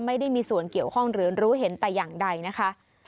ไม่ได้มีส่วนเกี่ยวข้องหรือรู้เห็นแต่อย่างใดนะคะ